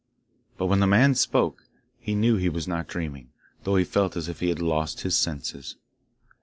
But when the man spoke, he knew he was not dreaming, though he felt as if he had lost his senses.